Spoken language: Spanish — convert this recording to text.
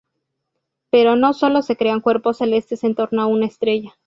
Pero no solo se crean cuerpos celestes en torno a una estrella.